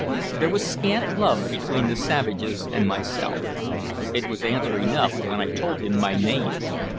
There was scant love between the savages and myself, it was answer enough when I told him my name.